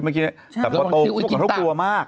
เมื่อกี๊เมื่อก่อนเค้าก็กลัวมาก